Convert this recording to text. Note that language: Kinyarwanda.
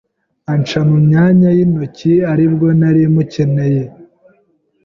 e anca mu myanya y’intoki ari bwo nari mukeneye